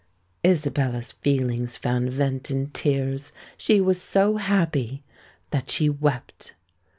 Isabella's feelings found vent in tears:—she was so happy—that she wept!